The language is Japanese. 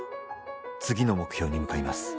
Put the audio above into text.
「次の目標に向かいます」